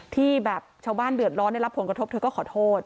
ที่แบบชาวบ้านเดือดร้อนได้รับผลกระทบเธอก็ขอโทษ